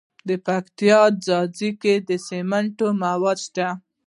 د پکتیا په ځاځي کې د سمنټو مواد شته.